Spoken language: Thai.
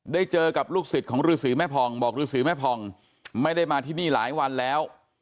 เจอกับลูกศิษย์ของฤษีแม่ผ่องบอกฤษีแม่ผ่องไม่ได้มาที่นี่หลายวันแล้ว